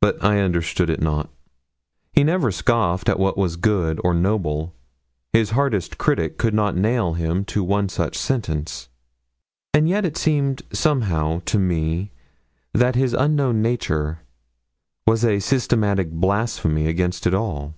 But I understood it not. He never scoffed at what was good or noble his hardest critic could not nail him to one such sentence; and yet, it seemed somehow to me that his unknown nature was a systematic blasphemy against it all.